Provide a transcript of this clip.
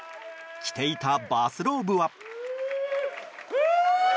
着ていたバスローブは。